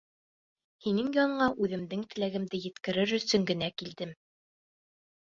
Һинең яныңа үҙемдең теләгемде еткерер өсөн генә килдем.